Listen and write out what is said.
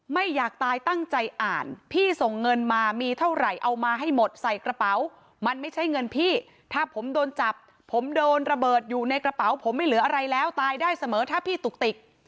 ไม่อยากตายตั้งใจอ่านพี่ส่งเงินมามีเท่าไหร่เอามาให้หมดใส่กระเป๋ามันไม่ใช่เงินพี่ถ้าผมโดนจับผมโดนระเบิดอยู่ในกระเป๋าผมไม่เหลืออะไรแล้วตายได้เสมอถ้าพี่ตุกติก